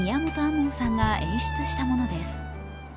門さんが演出したものです。